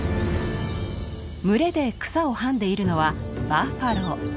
群れで草をはんでいるのはバッファロー。